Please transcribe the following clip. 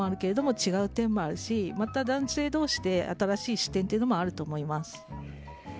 違う点もあるしまた、男性同士で新しい視点というのもあると思います。